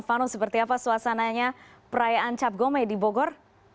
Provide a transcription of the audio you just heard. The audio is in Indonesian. vano seperti apa suasananya perayaan cap gome di bogor